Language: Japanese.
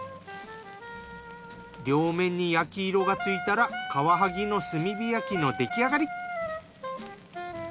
両面に焼き色がついたらカワハギの炭火焼きの出来上がり。